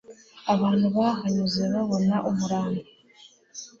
abantu bahanyuze babona umurambo